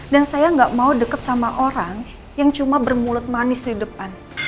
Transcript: dan saya gak mau deket sama orang yang cuma bermulut manis di depan